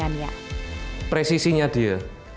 dan ini adalah perbedaan yang terjadi di karya grace